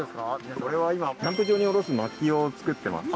これは今キャンプ場に卸す薪を作ってますね